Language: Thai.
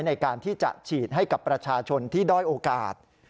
ในการที่จะฉีดให้กับประชาชนที่ด้อยโอกาส